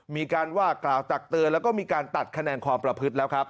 มีการว่ากล่าวตักเตือนแล้วก็มีการตัดคะแนนความประพฤติแล้วครับ